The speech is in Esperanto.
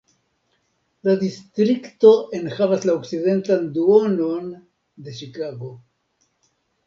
La distrikto enhavas la okcidentan duonon de Ĉikago.